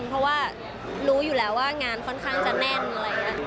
เพราะว่ารู้อยู่แล้วว่างานค่อนข้างจะแน่นอะไรอย่างนี้